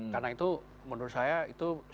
karena itu menurut saya itu sifatnya ipotis